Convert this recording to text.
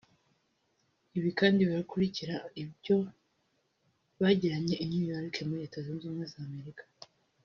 Ibi kandi birakurikira ibyo bagiranye i New York muri Leta Zunze Ubumwe za Amerika